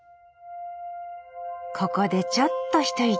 ここでちょっとひと息。